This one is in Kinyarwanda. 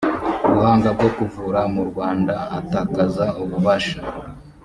buhanga bwo kuvura mu rwanda atakaza ububasha